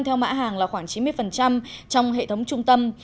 theo mã hàng là khoảng chín mươi trong hệ thống trung tâm